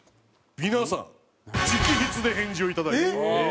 皆さん直筆で返事をいただいて。